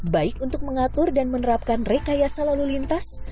baik untuk mengatur dan menerapkan rekayasa lalu lintas